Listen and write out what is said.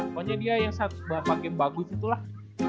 pokoknya dia yang sehat semakin bagus itulah